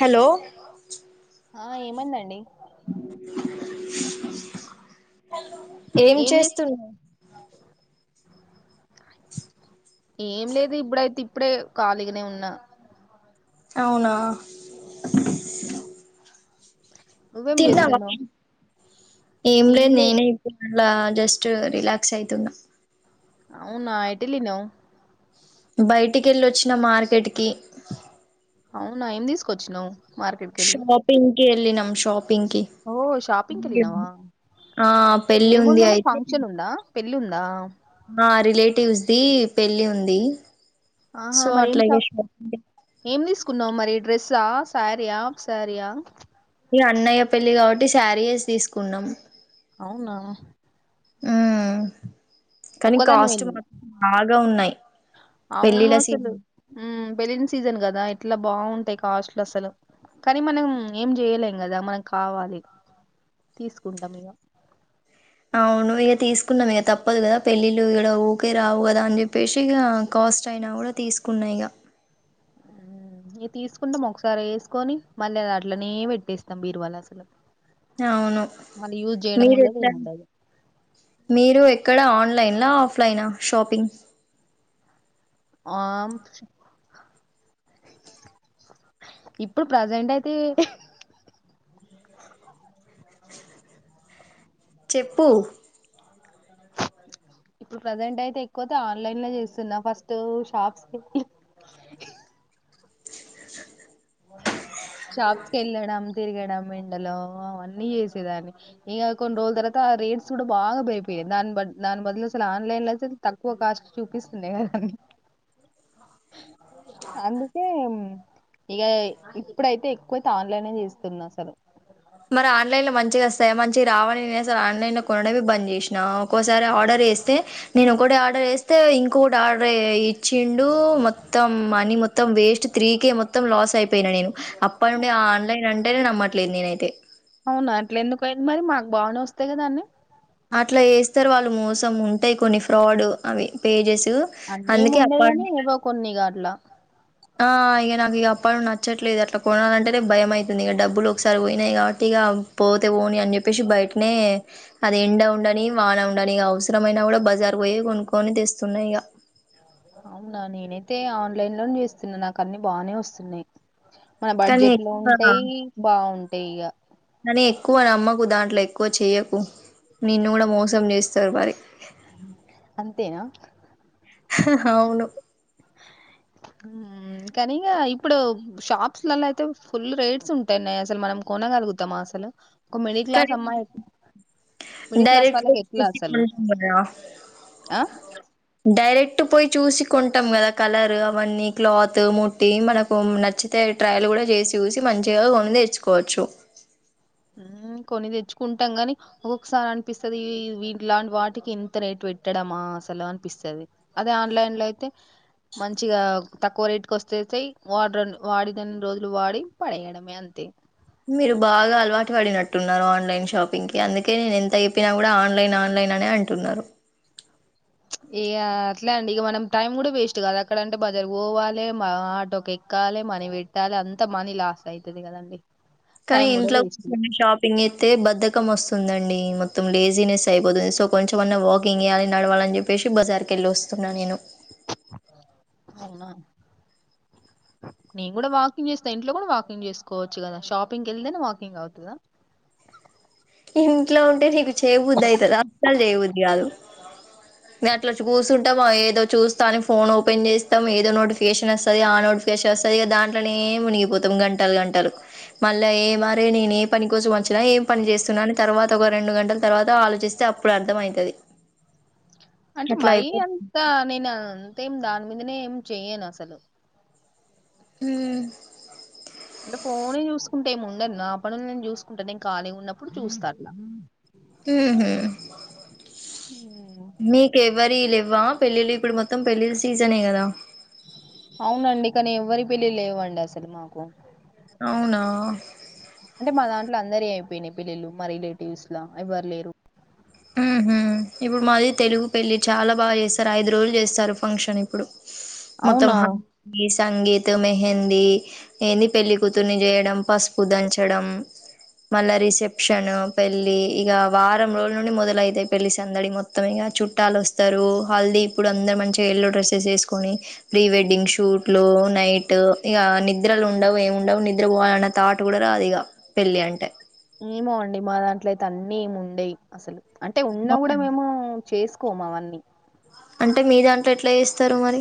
Hello ఆ ఏమైందండి ఏం చేస్తున్న ఏం లేదు ఇప్పుడైతే ఇప్పుడే కాలీగానే ఉన్నా అవునా నువ్వేం తిన్నావా చేస్తున్నావు ఏం లేదు తినలే నేనే ఇ ఇట్లా జస్ట్ రీలాక్స్ అయితున్నా అవునా ఎటెళ్ళినావ్ బయటికి వెళ్లొచ్చిన మార్కెట్కి అవునా ఏమి తీసుకొచ్చినావ్ మార్కెట్ కెళ్ళి కెళ్ళినాము షాప్ పింకి షాపింగ్కి పింకీ వెళ్ళినావా ఆ పెళ్ళి ఉంది ఏముందేమన్నా అయితే ఫంక్షన్ ఉందా పెళ్ళి ఉందా ఆ రిలేటివ్స్ ది పెళ్ళి ఉంది ఆహా సో అట్లాగే షాపింగ్ కున్న మరి డ్రెస్సా ఆ సారీయా ఆఫ్ స్యారియా ఈ అన్నయ్య పెళ్లి కాబట్టి శారీయస్ తీసుకున్నాం అవునా ఆ ఒక్కదాన్నే వెళ్ళింది, ఉన్నాయి అవును పెళ్ళిళ్ళ అసలు సీజన్ పెళ్లిళ్ల సీజన్ కదా ఇట్లా బాగుంటాయి కాస్ట్లు అసలు కానీ మనం ఏం చేయలేం కదా మనం కావాలి తీసుకుంటాం ఇక అవును ఇక తీసుకున్నాం ఇక తప్పదు కదా పెళ్ళిళ్ళ ఇడ ఊరికే రావు కదా అని చెప్పేసి ఇక కాస్ట్ అయినా కూడా తీసుకున్నా ఇక ఇక తీసుకుంటాం ఒకసారి వేసుకొని మళ్ళీ అది అట్లనే పెట్టేస్తాం బీరువాల అసలు అవును మళ్ళీ యూజ్ చేయడం మీరు ఉండదు ఎట్లా ఏముండదు మీరు ఎక్కడ ఆన్ ఆన్లైన్ ఆఫ్లైన్ ఆ షాపింగ్ ఆ ఇప్పుడు ప్రజెంట్ అయితే చెప్పు ఇప్పుడు ప్రజెంట్ అయితే ఎక్కువతే ఆన్లైన్ లో చేస్తున్నా ఫస్ట్ షాప్స్ షాప్స్ కెళ్ళడం తిరగడం ఎండల అన్నీ చేసేదాన్ని ఇగ కొన్ని రోజుల తర్వాత ఆ రేట్స్ కూడా బాగా పెరిగిపోయాయి దాని బ దాని బదులు అసలు ఆన్లైన్ లో ఐతే తక్కువ కాస్ట్ చూపిస్తుంది [inaudible] అందుకే ఇగ ఇప్పుడైతే కోతే ఆన్లైనే చేస్తున్నా అసలు సరే మంచిగా రావని నేను అసలు ఆన్లైన్లో కొనడవే బంద్ చేసినా ఒక్కోసారి ఆర్డర్ వేస్తే నేను ఒకటి ఆర్డర్ వేస్తే ఇంకొకటి ఆర్డర్ ఏ ఇచ్చిండు మొత్తం మనీ మొత్తం వేస్ట్ త్రీ కేే మొత్తం లాస్ అయిపోయినా నేను అప్పటి నుండే ఆన్లైన్ అంటేనే నమ్మట్లేదు నేనైతే అవునా అట్ల ఎందుకైంది మరి మాకు బానే వస్తాయి కదా అన్ని అట్లా ఏస్తారు వాళ్ళు మోసం ఉంటాయి కొన్ని ఫ్రాడ్ అవి పేజస్ అన్నీ ఏం ఉండేవని ఏవో కొన్ని గా అట్లా ఆ ఇగ నాకు ఇగ అప్పటినుండి నచ్చట్లేదు అట్లా కొనాలంటేనే భయం ఐతుంది ఇగ డబ్బులు ఒకసారి పోయినాయి కాబట్టి ఇగ పోతే పోని అని చెప్పేసి బయటనే అది ఎండ ఉండని వాన ఉండని ఇగ అవసరమైనా కూడా బజార్ పోయి కొనుక్కొని తెస్తున్నా ఇగ తే ఆన్లైన్ లో నే తెస్తున్నా నాకు అన్నీ బానే వస్తున్నాయి మన కానీ బడ్జెట్ లో ఎక్కువ ఉంటాయి బాగుంటయి టిగా అట్లా ఎక్కువ చేయకు నిన్న కూడా మోసం చేస్తా సర్ మరి అంతేనా అ అవును కానీక ఇప్పుడు షాప్స్ లో అయితే ఫుల్ రేట్స్ ఉంటాయిన్నాయి అసలు మనం కొనగలుగుతామా అసలు ఒక మిడిల్ క్లాస్ డైరెక్ట్ అమ్మాయి మిడిల్ క్లాస్ వాళ్ళకి ఫ ఎట్లా అసలు ఆ డైరెక్ట్ చట్టు పోయి చూసి కొంటాం కదా కలర్ అవన్నీ క్లాత్ ముట్టి మనకు నచ్చితే ట్రయల్ కూడా చేసి చూసి మంచిగా కొను తెచ్చుకోవచ్చు కొన్ని తెచ్చుకుంటాం గాని ఒక్కొక్కసారి అనిపిస్తుంది వీలాంటి వాటికి ఇంత రేటు పెట్టడమా అసలు అనిపిస్తుంది అదే ఆన్లైన్ లో అయితే మంచిగా తక్కువ రేటుకి వస్తే వాడ వాడిదని రోజులు వాడి పడేయడమే అంతే మీరు బాగా అలవాటు పడినట్టున్నారు ఆన్లైన్ షాపింగ్ కి అందుకే నేను ఎంత అయిపోయిిన కూడా ఆన్లైన్ ఆన్లైన్ అనే అంటున్నారు ఇక అట్లే అండి ఇక మనం టైం కూడా వేస్ట్ కాదా అక్కడంటే బజర్ పోవాలి ఆటోకి ఎక్కాలి మనీ పెట్టాలి అంత మనీ లాస్ అవుతుంది కదండి కానీ టైం కూడా ఇంట్లో వేస్ట్ కూర్చని షాపింగ్ అయితే బధకం వస్తుందండి మొత్తం లేజీనెస్ అయిపోతుంది సో కొంచంమన్నా వాకింగ్ చేయాలి నడవాలని చెప్పేసి బజార్కి వెళ్ళి వస్తున్నాను నేను అయినా నేను కూడా వాకింగ్ చేస్తా ఇంట్లో కూడా వాకింగ్ చేసుకోవచ్చు కదా షాపింగ్కి వెళితేనే వాకింగ్ అవుతుదా ఇంట్లో ఉంటే చేయబూద్దు అయితే అలు చేయ్యూద్దు వాు నేను అట్లా చూసుంటాము ఏదో చూస్తా అని ఫోన్ ఓపెన్ చేస్తాం ఏదో నోటిఫికేషన్ వస్తది ఆ నోటిఫికేషన్ వస్తంది ఇ దాంట్లోనే మునిగిపోతాం గంటలు గంటలు మళ్ళా ఏ మరే నేను ఏ పని కోసం వచ్చినా ఏ పని చేస్తా తున్నాని తర్వాత ఒక రెండు గంటల తర్వాత ఆలోచిస్తే అప్పుడు అర్థమైతది అంటే మరి అంతా నేన టెం దాని మీదనే ఏం చెయను అసలు హ్మ్ అంటే ఫోనే చూసుకుంటే ఏమి ఉండదు నా పనులు నేను చూసుకుంటా నేను ఖాలీ ఉన్నప్పుడు చూస్తారులా లేదు మేడం ఉమ్. మీకేవరివ్ లెవ్ వా పెళ్ళిళ్ళ ఇప్పుడు మొత్తం పెళ్లిలా సీజనే కదా అవునండి కానీ ఎవ్వరి పెళ్ళి లేవండి అసలు మాకు అవునా అంటే మా దాంట్ల అందరియి అయిపోయినాయి పెళ్లిలు మా రిలేటివ్స్ లా ఎవ్వరు లేరు ఉహు ఇప్పుడు మాది తెలుగు పెళ్ళి చాలా బాగా చేస్తారు ఐదు రోజులు చేస్తారు ఫంక్షన్ ఇప్పుడు అవునా మొత్తమహా తీ సంగీత్ మెహందీ ఏది పెళ్లి కూతుర్ని చేయడం పసుపు దంచడం మళ్ళ రిసెప్షన్ పెళ్లిి ఇక వారం రోజులు నుండి మొదలయితాయి పెళ్లిసందడి మొత్తం ఇక చుట్టాలు వస్తారు హల్దీ ఇప్పుడు అందరు మంచిగా ఎల్లో డ్రెస్సెస్ వేసుకుొని ప్రీ వెడ్డింగ్ షూట్లు నైట్ ఇక నిద్రలు ఉండవు ఏం ఉండవు నిద్ర పోవాలన్న తాట్ కూడా రాదు ఇక పెళ్లి అంటే ఏమో అండి మా దాంట్ల అయితే అన్నీ ఏమం ఉండయి అసలు అంటే ఉన్న కూడా మేము చేస్ కోమవన్నీ అంటే మీ దాంట్లో ఎట్ల చేస్తారు మరి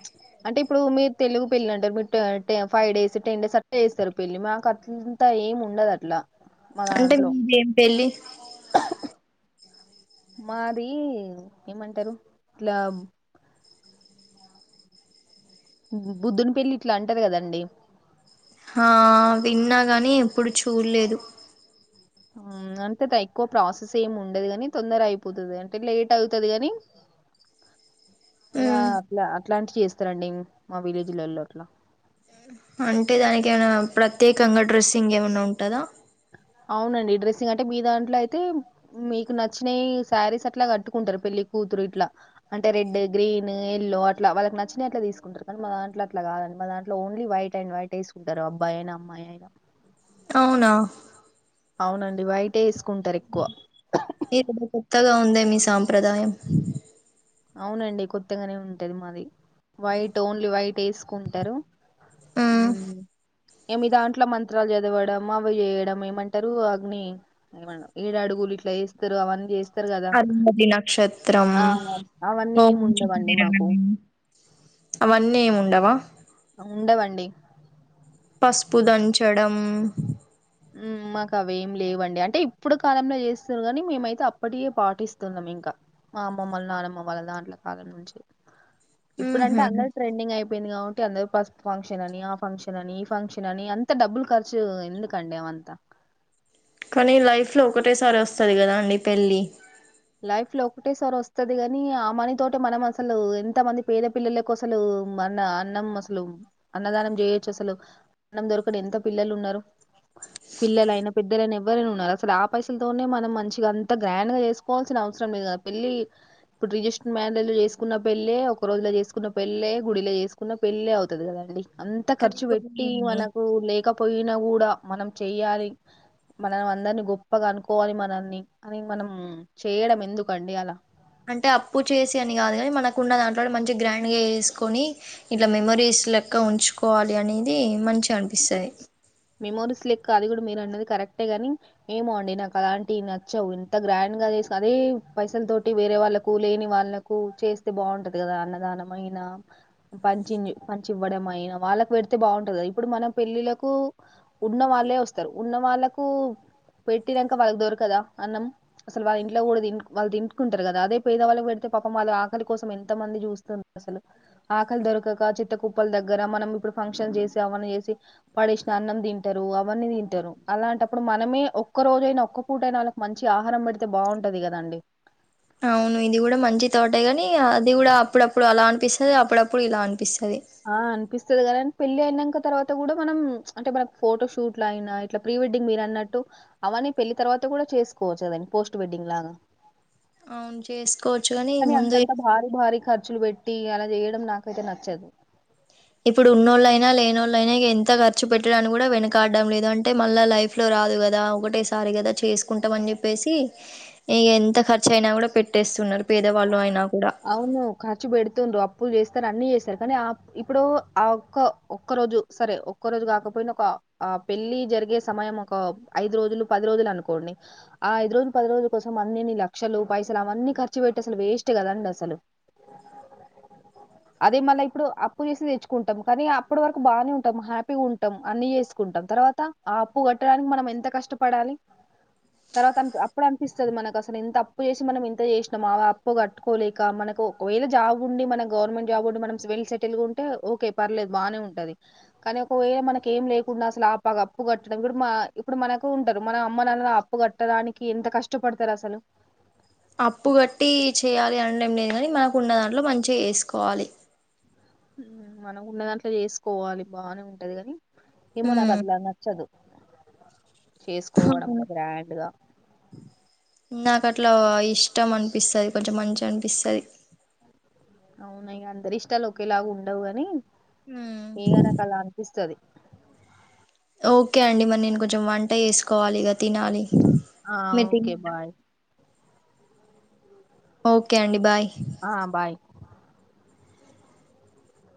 ప్చ్ అంటే ఇప్పుడు మీరు తెలుగు పెళ్ళి అంటే మీరు ట టె ఫైవ్ డేస్ టెన్ డేస్ అట్నే చేస్తరు పెళ్ళి మాకు అంట్త ఏం ఉండదు అట్లా. మా అంటే దాంట్లో మీదేం పెళ్ళి? మాది ఏమంటరు ఇట్లా బుద్దుని పెళ్లి ఇట్ల అంటరు కదండి ఆ విన్నా గాని ఎప్పుడు చూడలేదు. ఊ అంతేత ఎక్కువ ప్రాసెస్ ఏం ఉండదు కాని తొందర అయిపోతది. అంటే లేట్ ఐతది కని ఇగ అట్ల అట్ అట్లాంటి చేస్తరండి మా విలేజ్లల్లో అట్ల అంటే దానికి ఏమన్న ప్రత్యేకంగా డ్రెస్సింగ్ ఏమన్న ఉంటద? అవునండి డ్రెస్సింగ్ అంటే మీ దాంట్లో అయితే మీకు నచ్చినయి సారీస్ అట్ల కట్టుకుంటరు పెళ్ళి కూతురు ఇట్లా అంటే రెడ్ గ్రీన్ ఎల్లో అట్లా వాళ్ళకి నచ్చినవి అట్లా తీసుకుంటారు కానీ మా దాంట్లో అట్లా కాదండి మా దాంట్లో ఓన్లీ వైట్ అండ్ వైట్ వేసుకుంటారు అబ్బాయి అయిన అమ్మాయి అయిన. అవునా అవునండి వైటే ఏస్ ఏదో కొత్తగా ఉందే. మీ సాంప్రదాయం! అవునండి! కొత్తగనే ఉంటది మాది వైట్ ఓన్లీ వైట్. ఏసుకుంటారు. ఊ మ్మ్ ఇగ మీ దాంట్లో మంత్రాలు చద్ దేవడం అవి చేయడం ఏమంటరు అగ్ని ఏడు అడుగులు ఇట్లా వేస్తరు అవన్నీ చేస్ అరుంధతి నక్షత్రం అవన్నీ ఏమి హోమం చుట్టూ ఉండవండి మాకు తిరగడము అవన్ని ఏం ఉండవ? ఉండవండి. పస్పు దంచడం ఊ మాకు అవేమి లేవండి. అంటే ఇప్పుడు కాలంల చేస్తున్నారు కానీ మేమైతే అప్పటియే పాటిస్తున్నాం ఇంకా మా అమ్మమ్మలు నానమ్మ వాళ్ల దాంట్ల కాలం నుంచి. ఇప్పుడు మ్మ్ అంటే హ్మ్ అందరు ట్రెడింగ్ అయి పోయింది కాబట్టి అందరు పసుపు ఫంక్షన్ అని ఆ ఫంక్షన్ అని ఈ ఫంక్షన్ అని అంత డబ్బులు ఖర్చు ఎందుక్. సండే వంత కానీ లైఫ్ లో ఒకటేసారి వస్తది కదా అండి పెళ్ళి. లైఫ్ లో ఒకటే సారి వస్తది కాని ఆ మనీ తోటే మనం అసలు ఎంత మంది పేద పిల్లలకు అసలు మన అన్నం అసలు అన్నదానం చేయొచ్చు అసలు అన్నం దొరకని ఎంత పిల్లలు ఉన్నారు. పిల్లలు అయినా పెద్దలైన ఎవరైనా ఉన్నారు అసలు ఆ పైసలతోనే మనం మంచిగా అంత గ్రాండ్ గా చేస్ పోవాల్సిన అవసరం లేదు కదా పెళ్లి ఇప్పుడు రిజిస్టర్ మ్యారేజ్ లలో చేసుకున్న పెళ్లే ఒక రోజుల చేసుకున్న పెళ్లే గుడిలో చేసుకున్న పెళ్లే అవుతుంది కదండి. అంత కానీ ఖర్చు పెట్టి కొన్ని మనకు లేకపొయినా కూడా మనం చెయ్యాలి. మనం అందరిని గొప్పగ అనుకోవాలి మనన్ని అని మనం చేయడం ఎందుకండి అల? అంటే అప్పు చేసి అని కాదు కానీ మనకున్న దాంట్లో మంచిగా గ్రాండ్గా వేసుకొని ఇట్లా మెమరీస్ లెక్క ఉంచుకోవాలి అనేది మంచిగా అనిపిస్తది. మెమోరీస్ లెక్క అది కూడా మీరు అన్నది కరెక్టే గాని ఏమో అండి నాకు అలాంటివి నచ్చవు. ఇంత గ్రాండ్ గా అదే పైసల తోటి వేరే వాళ్ళకు లేని వాళ్ళకు చేస్తే బాగుంటది కదా అన్నదానంమయినా పంచి పంచి ఇవ్వడం అయినా వాళ్ళకు పెడితే బాగుంటది కదా ఇప్పుడు మన పెళ్ళిలకు ఉన్న వాళ్ళే వస్తారు. ఉన్న వాళ్ళకు పెట్టినంకా వాళ్ళకి దొరకదా అన్నం అసలు వాళ్ళ ఇంట్లో కూడా తినరు వాళ్ళు తింటుకుంటారు కదా. అదే పేదవాళ్ళకి పెడితే పాపం వాళ్ళ ఆకలి కోసం ఎంత మంది చూస్తం అసలు. ఆకలి దొరకక చేత్త కుప్పల దగ్గర మనం ఇప్పుడు ఫంక్షన్ చేసి అవన్న చేసి పడేసి అన్నం తింటారు, అవన్నీ తింటారు అలాంటప్పుడు మనమే ఒక్కరోజైనా ఒక్క పూట అయినా వాళ్ళకి మంచి ఆహారం పెడితే బావుంటది కదండి. అవును ఇది కూడా మంచి తాటే గాని అది కూడా అప్పుడప్పుడు అలా అనిపిస్తది. అప్పుడప్పుడు ఇలా అని ఆ అనిపిస్తది కదన్ పెళ్ళి అయినాక తర్వాత కూడా మనం చ్ అంటే మన ఫోటోషూట్లయినా, ఇట్లా ప్రీ వెడ్డింగ్ మీరు అన్నట్టు అవన్నీ పెళ్లి తర్వాత కూడా చేసుకోవచ్చు అవన్ని పోస్ట్ వెడ్డింగ్ లాగా అవును చేస్ అని అంతంత భారీ భారీ ఖ ఖర్చులు పెట్టి అలా చేయడం నాకైతే నచ్చదు ఇప్పుడు ఉన్నోళ్ళ అయినా, లేనోళ్లు అయినా ఎంత ఖర్చు పెట్టడానికి కూడా వెనకాడడం లేదు. అంటే మళ్ళా లైఫ్ లో రాదు కదా ఒక్కటే సారీ కదా చేసు కుంటాం అని చెప్పేసి ఇగ ఎంత ఖర్చు అయినా కూడా పెట్టేస్తున్నారు పేదవాళ్ళు అయినా కూడా అవును ఖర్చు బెడుతుండ్రు అప్పులు చేస్ అన్ని చేసారు కానీ ఆ ఇప్పుడు ఆ ఒక్క ఒక్క రోజు సరే ఒక్క రోజు కాకపోయినా ఒక ఆ పెళ్లి జరిగే సమయం ఒక ఐదు రోజులు పది రోజులు అనుకోండి. ఆ ఐదు రోజులు పది రోజుల కోసం అన్నిన్ని లక్షలు పైసలు అవన్నీ ఖర్చు పెట్టి అసలు వేస్ట్ కదండి అ అసలు అదే మళ్ళీ ఇప్పుడు అప్పు చేసి తెచ్చుకుంటాం. కానీ అప్పుడు వరకు బాగానే ఉంటాం హ్యాపీగా ఉంటాం, అన్ని చేసుకుంటాం తర్వాత ఆ అప్పు కట్టడానికి మనం ఎంత కష్టపడాలి. తర్వాత అప్పుడు అనిపిస్తుంది మనకు అసలు ఎంత అప్పు చేసి మనం ఎంత చేసినాం ఆ అప్పు కట్టుకోలే ఇంకా మనకు ఒకవేళ జాబ్ ఉండి, మన గవర్నమెంట్ జాబ్ ఉండి మనం వెల్ సెటిల్ గా ఉంటే ఓకే పర్లేదు బానే ఉంటది. కానీ ఒకవేళ మనకి ఏం లేకుండా అసలు ఆ పాగా అప్పు కట్టడం ఇప్పుడు ఇప్పుడు మనకు ఉంటారు మన అమ్మ నాన్న అప్పు కట్టడానికి ఎంత కష్టపడతారు అసలు. అప్పు కట్టి చేయ్యాలి అనడం లేదు కాని, మనకు ఉన్న దాంట్లో మంచిగా చేసుకోవాలి. మనం ఉన్న దాంట్లో చేసుకోవాలి బానే ఉంటది కాని ఏమో నాకు ఉమ్ అట్లా నచ్చదు. చేసుకోవడము గ్రాండ్గా నాకు అట్లా ఇష్టం అనిపిస్తది, కొంచెం మంచి అనిపిస్తది. అవున ఇగ అందరి ఇష్టాలు ఒకేలాగా ఉండవుగాని ఉ ఇస్తది ఓకే అండి మరి నేను కొంచెం వంట వేసుకోవాలి ఇక తినాలి. ఆ మీరు ఓకే తిన్నారా బాయ్ ఓకే అండి బాయ్ ఆ బాయ్